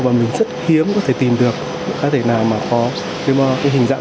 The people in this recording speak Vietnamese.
và mình rất hiếm có thể tìm được cá thể nào mà có cái hình dạng